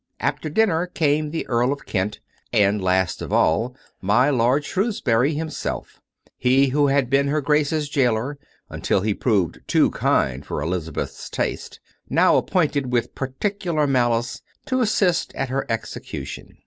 After dinner came the Earl of Kent, and, last of all, my lord Shrewsbury himself — he who had been her Grace's gaoler, until he proved too kind for Elizabeth's taste — now appointed, with peculiar malice, to assist at her execution.